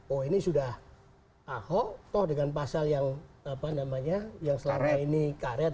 oh ini sudah ahok toh dengan pasal yang apa namanya yang selama ini karet